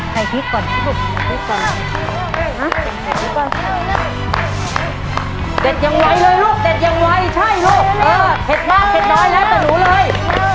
เด็ดยังไวเลยลูกเด็ดยังไวใช่ลูกเออเผ็ดมากเผ็ดน้อยแล้วแต่หนูเลย